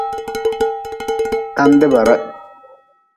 Tande ba reh.